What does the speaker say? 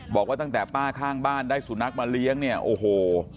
บอกว่าตั้งแต่ป้าข้างบ้านได้สุนัขมาเลี้ยงเนี่ยโอ้โห